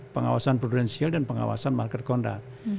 pengawasan prudensial dan pengawasan market conduct